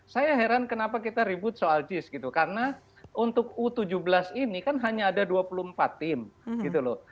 saya heran kenapa kita ribut soal jis gitu karena untuk u tujuh belas ini kan hanya ada dua puluh empat tim gitu loh